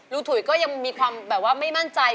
ถุยก็ยังมีความแบบว่าไม่มั่นใจ